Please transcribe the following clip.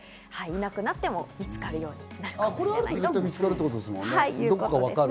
いなくなっても見つかるようになるということです。